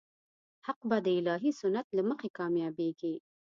حق به د الهي سنت له مخې کامیابېږي.